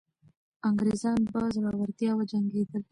انګریزان په زړورتیا وجنګېدل.